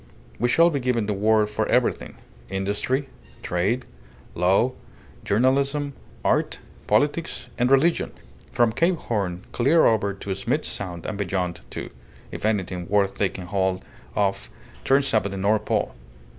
We shall be giving the word for everything: industry, trade, law, journalism, art, politics, and religion, from Cape Horn clear over to Smith's Sound, and beyond, too, if anything worth taking hold of turns up at the North Pole.